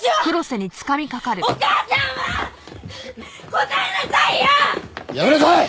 答えなさいよ！